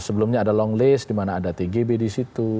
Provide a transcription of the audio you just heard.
sebelumnya ada longlist dimana ada tgb disitu